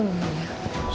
terima kasih mas